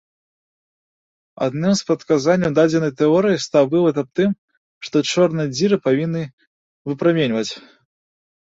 Адным з прадказанняў дадзенай тэорыі стаў вывад аб тым, што чорныя дзіры павінны выпраменьваць.